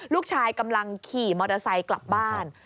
ลูกชายกำลังขี่มอเตอร์ไซค์กลับบ้าน